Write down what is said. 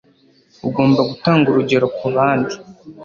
Ugomba gutanga urugero kubandi.